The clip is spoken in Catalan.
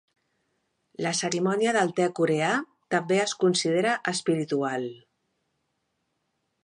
La cerimònia del te coreà també es considera espiritual.